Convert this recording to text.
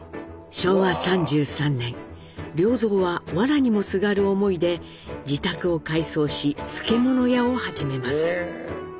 昭和３３年良三はわらにもすがる思いで自宅を改装し漬物屋を始めます。